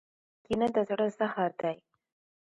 کینه د زړه زهر دی.